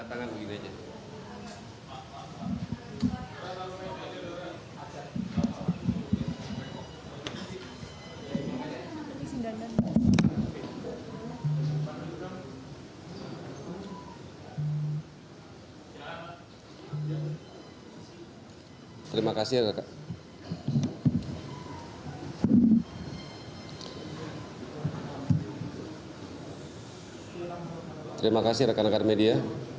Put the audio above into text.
terima kasih rekan rekan media